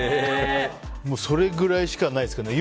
それぐらいしかないですけどね。